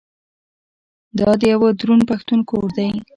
دا د یوه دروند پښتون کور دی.